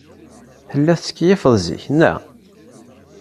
Telliḍ tettkeyyifeḍ zik, naɣ?